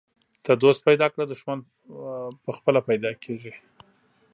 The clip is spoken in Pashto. ته دوست پیدا کړه، دښمن پخپله پیدا کیږي.